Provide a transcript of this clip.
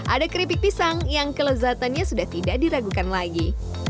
ada keripik pisang yang kelezatannya sudah tidak diragukan lagi